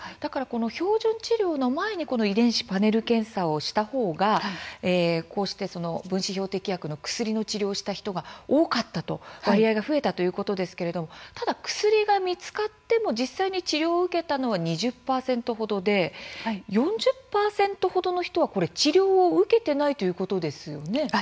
標準治療の前に遺伝子パネル検査をした方が分子標的薬の薬の治療した人が多かった、割合が増えたということですがまだ薬が見つかっても実際に治療を受けたのは２０％程で４０％程の人は治療を受けていないということですね。